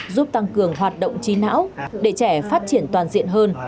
giúp tăng cường hoạt động trí não để trẻ phát triển toàn diện hơn